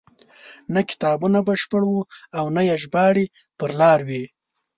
نه کتابونه بشپړ وو او نه یې ژباړې پر لار وې.